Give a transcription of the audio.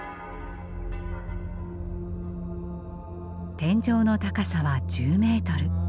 天井の高さは１０メートル。